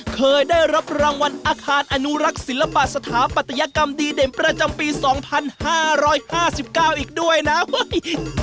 เคยได้รับรางวัลอาคารอนุรักษ์ศิลปะสถาปัตยกรรมดีเด่นประจำปี๒๕๕๙อีกด้วยนะเฮ้ย